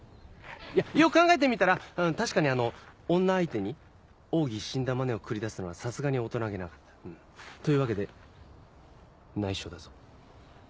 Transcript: いやよく考えてみたら確かにあの女相手に奥義死んだマネを繰り出すのはさすがに大人げなかった。というわけで内緒だぞ。